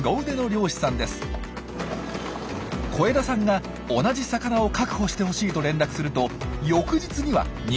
小枝さんが同じ魚を確保してほしいと連絡すると翌日には２ｍ近い大物をゲット！